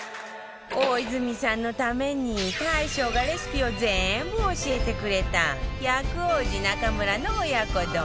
大泉さんのために大将がレシピを全部教えてくれた薬王寺中むらの親子丼